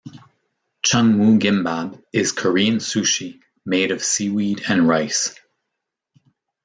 Chungmu gimbab is Korean sushi made of seaweed and rice.